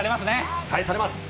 期待されます。